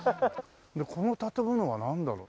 この建物はなんだろう？